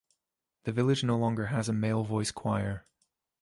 The village no longer has a male voice choir.